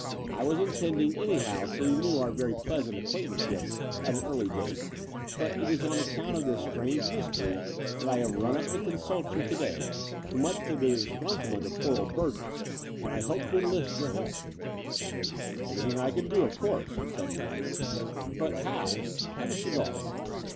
I was in tending anyhow to renew our very pleasant ac qiiaintanceship at an early date: but it is on account of this strange mystery that I have nm up to consult you to day, much to the disgruntlement of poor old Burgess, and I hope to enlist your help." Anything I can do, of course," he said warmly. "But how? Have a cigar?"